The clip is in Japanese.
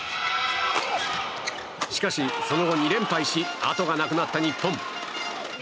しかし、その後２連敗しあとがなくなった日本。